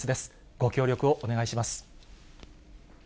ご協力をお願いします。